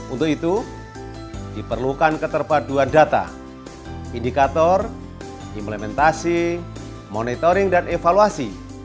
untuk itu diperlukan keterpaduan data indikator implementasi monitoring dan evaluasi